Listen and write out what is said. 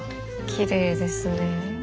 きれいですね。